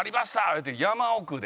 言うて山奥で。